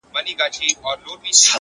o ښکلا د دې؛ زما؛